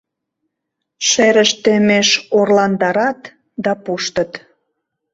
Шерышт теммеш орландарат да пуштыт.